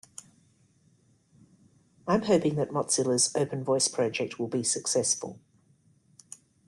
I'm hoping that Mozilla's Open Voice project will be successful.